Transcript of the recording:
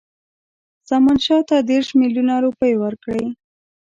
زمانشاه ته دېرش میلیونه روپۍ ورکړي.